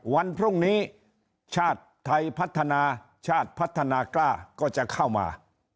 วันพรุ่งนี้ชาติไทยพัฒนาชาติพัฒนากล้าก็จะเข้ามา